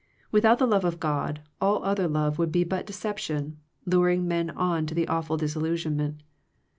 Without the love of God all other love would be but deception, luring men on to the awful disillusionment.